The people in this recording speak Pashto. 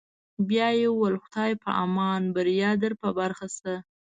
بیا یې وویل: خدای په امان، بریا در په برخه شه.